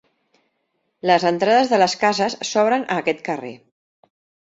Les entrades de les cases s'obren a aquest carrer.